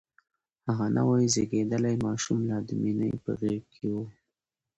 هغه نوی زيږدلی ماشوم لا د مينې په غېږ کې و.